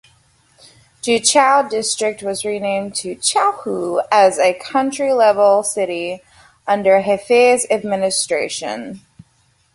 Juchao District was renamed to Chaohu as a county-level city under Hefei's administration.